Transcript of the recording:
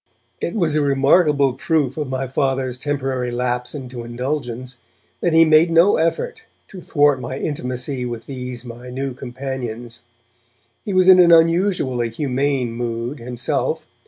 It was a remarkable proof of my Father's temporary lapse into indulgence that he made no effort to thwart my intimacy with these my new companions. He was in an unusually humane mood himself.